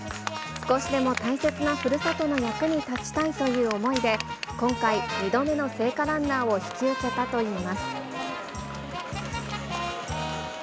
少しでも大切なふるさとの役に立ちたいという思いで、今回、２度目の聖火ランナーを引き受けたといいます。